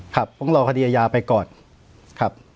ครับต้องรอคดีอาญาไปก่อนครับ